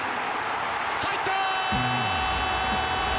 入ったー！